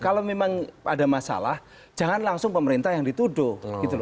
kalau memang ada masalah jangan langsung pemerintah yang dituduh